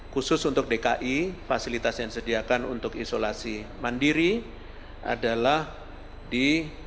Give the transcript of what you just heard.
khusus untuk dki fasilitas yang disediakan untuk isolasi mandiri adalah di